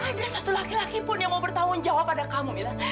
ada satu laki laki pun yang mau bertanggung jawab pada kamu mila